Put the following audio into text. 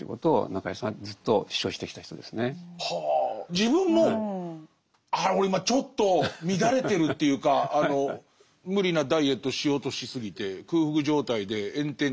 自分も俺今ちょっと乱れてるというか無理なダイエットしようとしすぎて空腹状態で炎天下